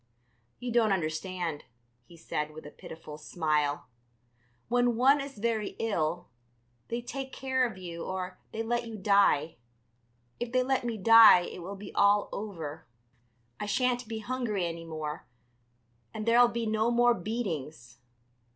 "You don't understand," he said, with a pitiful smile. "When one is very ill, they take care of you or they let you die. If they let me die it will be all over, I shan't be hungry any more, and there'll be no more beatings.